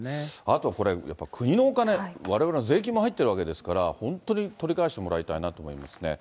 あとこれ、やっぱり国のお金、われわれの税金も入ってるわけですから、本当に取り返してもらいたいなと思いますね。